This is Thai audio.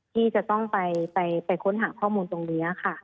ที่จะต้องไปค้นหาข้อมูลตรงนี้ค่ะ